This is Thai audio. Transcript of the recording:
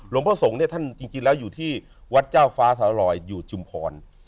พระสงฆ์เนี่ยท่านจริงแล้วอยู่ที่วัดเจ้าฟ้าสารรอยอยู่ชุมพร